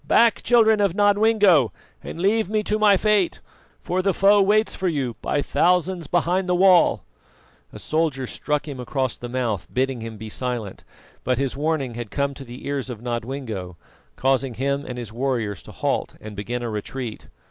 "Back! children of Nodwengo, and leave me to my fate, for the foe waits for you by thousands behind the wall!" A soldier struck him across the mouth, bidding him be silent; but his warning had come to the ears of Nodwengo, causing him and his warriors to halt and begin a retreat.